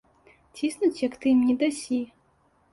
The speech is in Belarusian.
Ціснуць, як ты ім не дасі.